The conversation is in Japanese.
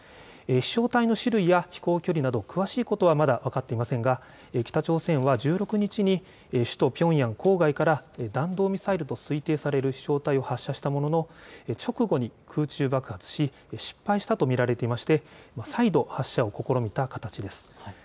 飛しょう体の種類や飛行距離など詳しいことはまだ分かっていませんが北朝鮮は１６日に首都ピョンヤン郊外から弾道ミサイルと推定される飛しょう体を発射したものの直後に空中爆発し失敗したと見られていまして再度、発射を試みた形です。